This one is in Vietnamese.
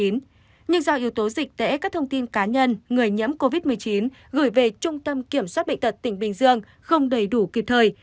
nhưng do yếu tố dịch tễ các thông tin cá nhân người nhiễm covid một mươi chín gửi về trung tâm kiểm soát bệnh tật tỉnh bình dương không đầy đủ kịp thời